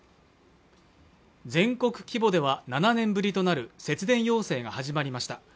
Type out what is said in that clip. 全国規模では７年ぶりとなる節電要請が始まりました